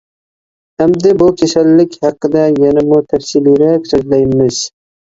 ئەمدى بۇ كېسەللىك ھەققىدە يەنىمۇ تەپسىلىيرەك سۆزلەيمىز.